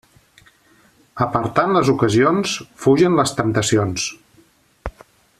Apartant les ocasions fugen les temptacions.